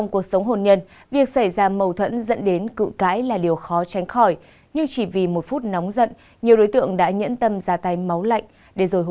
còn bây giờ xin kính chào và hẹn gặp lại